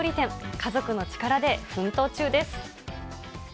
家族の力で奮闘中です。